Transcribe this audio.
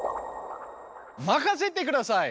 任せてください！